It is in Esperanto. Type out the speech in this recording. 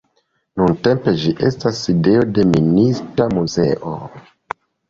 Nuntempe ĝi estas sidejo de Minista muzeo.